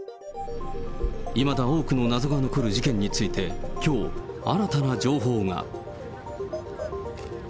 いまだ多くの謎が残る事件について、きょう、新たな情報が。